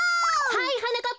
はいはなかっ